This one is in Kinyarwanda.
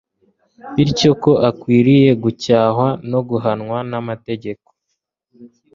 Bityo ko akwiriye gucyahwa no guhanwa namategeko